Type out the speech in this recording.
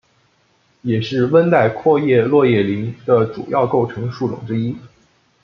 也是温带阔叶落叶林的主要构成树种之一。